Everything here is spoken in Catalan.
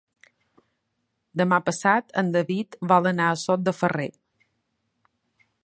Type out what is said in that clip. Demà passat en David vol anar a Sot de Ferrer.